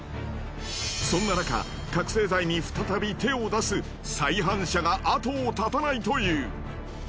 そんななか覚せい剤に再び手を出す再犯者が後を絶たないという。